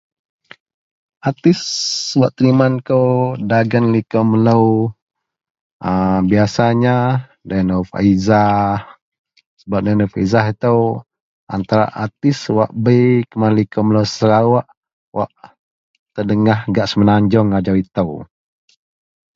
Artist wak teniman kou dagen liko melo a biasanya Dayang Norfeaza sebab dayang nurfeaza ito antara artist kuman liko Serawpk wak terdengah gak semanajung ajau ito.